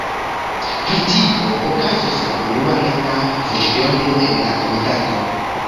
Pri tio okazos la unua reta voĉdono en la komitato.